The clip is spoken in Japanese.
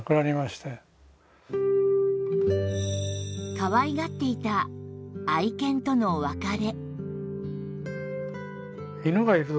かわいがっていた愛犬との別れ